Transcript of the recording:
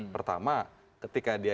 pertama ketika dia